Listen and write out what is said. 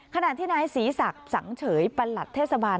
ขณะที่นายศรีศักดิ์สังเฉยประหลัดเทศบาล